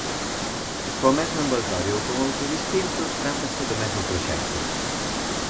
"Co mesmo envoltorio ou con outro distinto, trátase do mesmo proxecto".